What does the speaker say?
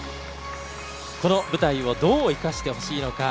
この舞台をどう生かしてほしいのか。